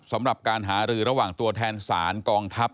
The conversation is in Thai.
สำหรับการหารือระหว่างตัวแทนศาลกองทัพ